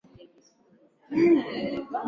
Kwa Yesu Mwanawe Mungu.